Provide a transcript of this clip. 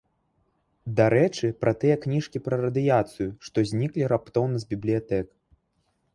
Дарэчы, пра тыя кніжкі пра радыяцыю, што зніклі раптоўна з бібліятэк.